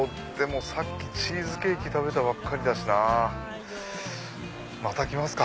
さっきチーズケーキ食べたばかりだしまた来ますか。